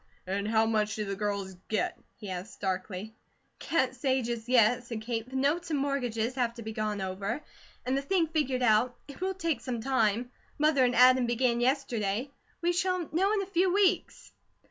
"And how much do the girls get?" he asked darkly. "Can't say just yet," said Kate. "The notes and mortgages have to be gone over, and the thing figured out; it will take some time. Mother and Adam began yesterday; we shall know in a few weeks."